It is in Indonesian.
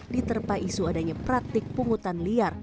diterpa isu adanya praktik pungutan liar